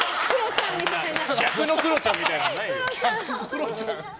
逆のクロちゃんみたいなのないよ。